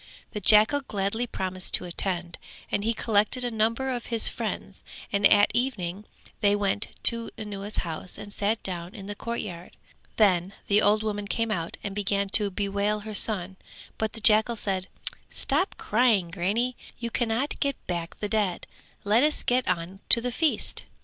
The jackal gladly promised to attend, and he collected a number of his friends and at evening they went to Anuwa's house and sat down in the courtyard. Then the old woman came out and began to bewail her son: but the jackal said "Stop crying, grannie, you cannot get back the dead: let us get on to the feast."